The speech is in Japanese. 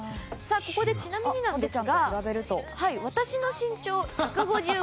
ここで、ちなみにですが私の身長が１５５ｃｍ。